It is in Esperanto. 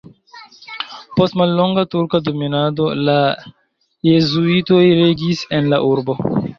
Post mallonga turka dominado la jezuitoj regis en la urbo.